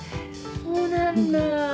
そうなんだ。